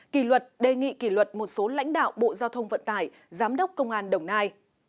kỳ luật đề nghị kỷ luật một số lãnh đạo bộ giao thông vận tải giám đốc công an đồng nai